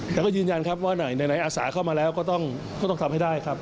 แต่ก็ยืนยันครับว่าไหนอาสาเข้ามาแล้วก็ต้องทำให้ได้ครับ